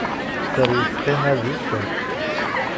Sser yettqima d sser.